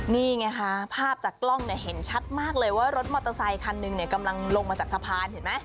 นี่ไงคะภาพจากกล้องเนี่ยเห็นชัดมากเลยว่ารถมอเตอร์ไซคันหนึ่งเนี่ยกำลังลงมาจากสะพานเห็นไหม